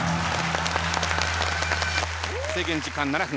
制限時間７分。